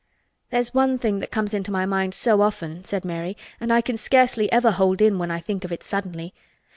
"There's one thing that comes into my mind so often," said Mary, "and I can scarcely ever hold in when I think of it suddenly.